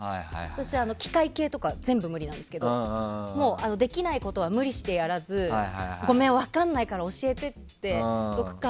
私、機械系とか全部無理なんですけどできないことは無理してやらずごめん、分からないから教えてって頼むか